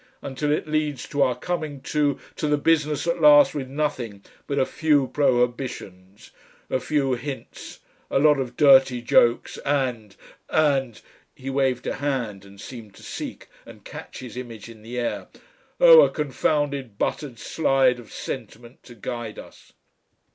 until it leads to our coming to to the business at last with nothing but a few prohibitions, a few hints, a lot of dirty jokes and, and " he waved a hand and seemed to seek and catch his image in the air "oh, a confounded buttered slide of sentiment, to guide us.